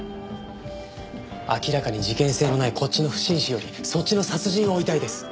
明らかに事件性のないこっちの不審死よりそっちの殺人を追いたいです。